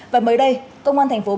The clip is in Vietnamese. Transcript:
và mới đây công an tp hcm